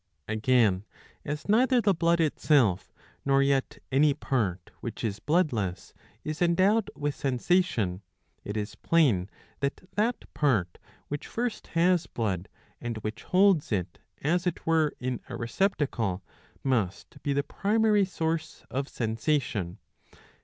Again, as neither the blood itself, nor yet any part which is bloodless, is endowed with sensation, it is plain that that part which first has blood, and which holds it as it were in a receptacle, must be the primary source of sensation.'